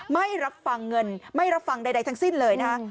ไม่รับฟังเงินไม่รับฟังใดทั้งสิ้นเลยนะคะ